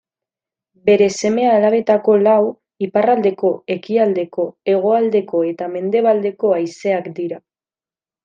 Bere seme-alabetako lau iparraldeko, ekialdeko, hegoaldeko eta mendebaldeko haizeak dira.